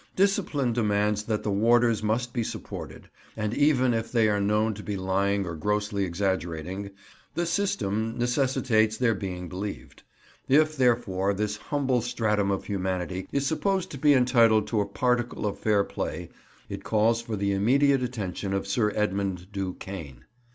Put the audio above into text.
Discipline demands that the warders must be supported; and even if they are known to be lying or grossly exaggerating, "the system" necessitates their being believed. If, therefore, this humble stratum of humanity is supposed to be entitled to a particle of fair play, it calls for the immediate attention of Sir Edmund Du Cane.